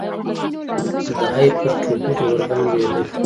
د هایپرټروفي د ارګان لویېدل دي.